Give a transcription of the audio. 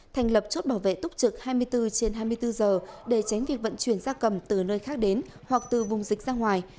thành lập chốt bảo vệ túc trực hai mươi bốn trên hai mươi bốn giờ để tránh việc vận chuyển gia cầm từ nơi khác đến hoặc từ vùng dịch ra ngoài